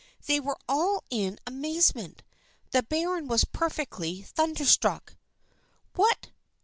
They were all in amazement. The baron was perfectly thunderstruck. "What!